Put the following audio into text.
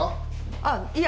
あっいや。